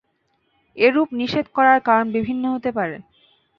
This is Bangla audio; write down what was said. এরূপ নিষেধ করার কারণ বিভিন্ন হতে পারে।